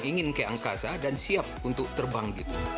ingin ke angkasa dan siap untuk terbang